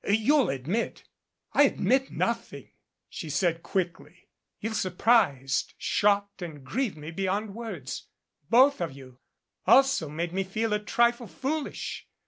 You'll admit " "I admit nothing," she said quickly. "You've sur prised, shocked and grieved me beyond words, both of you, also made me feel a trifle foolish.